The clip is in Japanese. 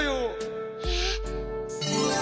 えっ。